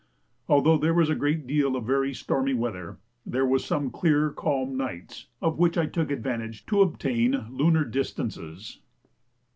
Although there was a great deal of very stormy weather, there were some clear calm nights, of which I took advantage to obtain lunar distances.